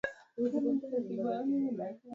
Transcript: Jamhuri ya Kidemokrasia ya Kongo yatoa ushahidi